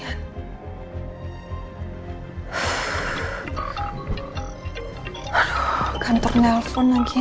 aduh kantor nelfon lagi